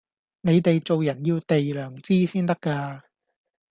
你哋做人要哋良知先得架